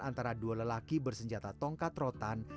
antara dua lelaki bersenjata tongkat rotan